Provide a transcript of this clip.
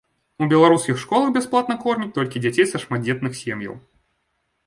У беларускіх школах бясплатна кормяць толькі дзяцей са шматдзетных сем'яў.